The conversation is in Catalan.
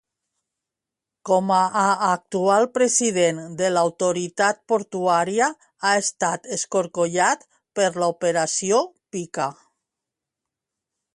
Com a actual president de l'Autoritat Portuària, ha estat escorcollat per l'operació Pika.